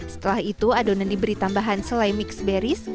setelah itu adonan diberi tambahan selai mixed berries